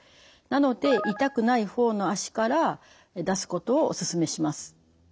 なので痛くない方の脚から出すことをおすすめします。